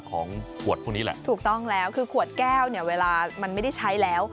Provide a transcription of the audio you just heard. ของขวดพวกนี้แหละถูกต้องแล้วคือขวดแก้วเนี่ยเวลามันไม่ได้ใช้แล้ว